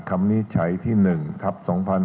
วินิจฉัยที่๑ทัพ๒๕๖๒